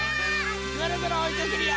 ぐるぐるおいかけるよ！